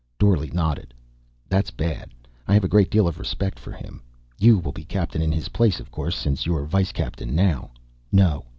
Dorle nodded. "That's bad. I have a great deal of respect for him. You will be captain in his place, of course. Since you're vice captain now " "No.